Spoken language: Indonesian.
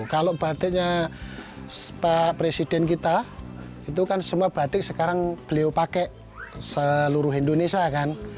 kalau batiknya pak presiden kita itu kan semua batik sekarang beliau pakai seluruh indonesia kan